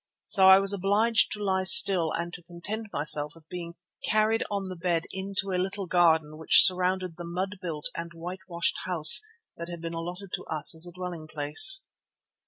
So I was obliged to lie still and to content myself with being carried on the bed into a little garden which surrounded the mud built and white washed house that had been allotted to us as a dwelling place.